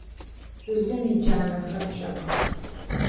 Шъузым иджанэхэр кӏэх.